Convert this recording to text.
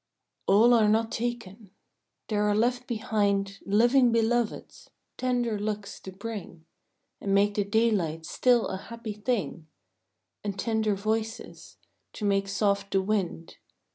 A LL are not taken ! there are left behind Living Beloveds, tender looks to bring, And make the daylight still a happy thing, And tender voices, to make soft the wind.